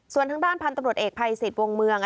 ส่วนทางด้านพันธุ์ตำรวจเอกภัยสิทธิ์วงเมือง